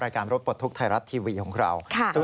การรถปลดทุกข์ไทยรัฐทีวีของเรา